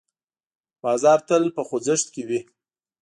بازار تل په خوځښت کې وي.